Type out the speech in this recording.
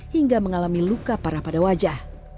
hingga mengalami luka parah pada wajah